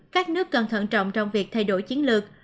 các nước cần thận trọng trong việc thay đổi chiến lược